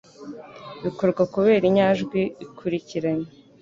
bikorwa kubera inyajwi ikurikiranye